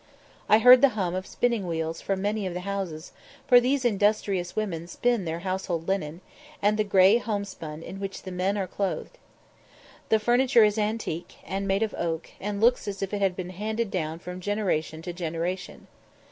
I heard the hum of spinning wheels from many of the houses, for these industrious women spin their household linen, and the gray homespun in which the men are clothed. The furniture is antique, and made of oak, and looks as if it had been handed down from generation to generation.